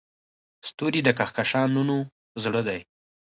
ستوري د کهکشانونو زړه دي.